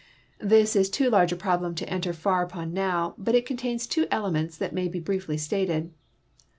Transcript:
This is too large a problem to enter far ui)on now, but it contains two elements that may be Indefiy stated.